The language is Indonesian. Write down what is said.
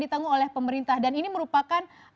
ditanggung oleh pemerintah dan ini merupakan